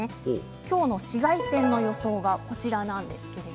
今日の紫外線の予想はこちらです。